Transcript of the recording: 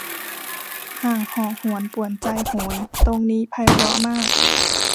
ห่างห่อหวนป่วนใจโหย ตรงนี้ไพเราะมาก